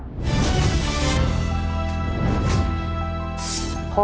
ข้อที่สุชาติธีขสุกครับ